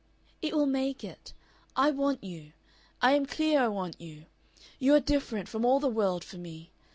"It will make it. I want you. I am clear I want you. You are different from all the world for me.